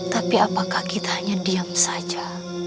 tapi apakah kita hanya diam saja